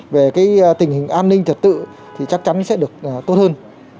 về cái tình hình an ninh trật tự thì chắc chắn sẽ được tốt hơn